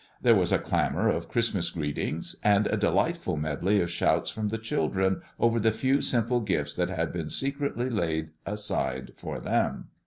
There was a clamor of Christmas greetings, and a delighted medley of shouts from the children over the few simple gifts that had been secretly laid aside for them.